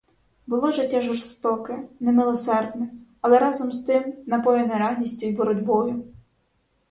Було життя жорстоке, немилосердне, але разом з тим напоєне радістю й боротьбою.